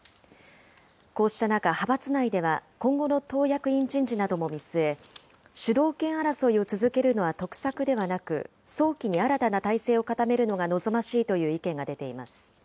こうした中、派閥内では今後の党役員人事なども見据え、主導権争いを続けるのは得策ではなく、早期に新たな体制を固めるのが望ましいという意見が出ています。